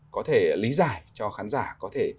có thể lý giải cho khán giả có thể